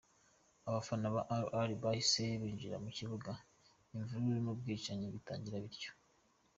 Abafana ba Al Ahly bahise binjira mu kibuga imvururu n’ubwicanyi bitangira bityo.